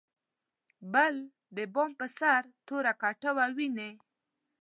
بل د بام په سر توره کټوه ویني.